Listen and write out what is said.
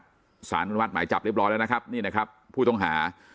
สารจังหวัดธัญบุรีอนุมัติหมายจับเรียบร้อยแล้วนะครับนี่นะครับผู้ต้องหา